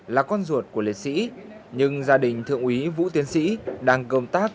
là con ruột của liệt sĩ nhưng gia đình thượng úy vũ tiến sĩ đang công tác